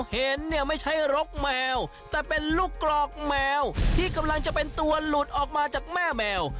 เห็นเนี่ยไม่ใช่รกแมวแต่เป็นลูกกรอกแมวที่กำลังจะเป็นตัวหลุดออกมาจากแม่แมว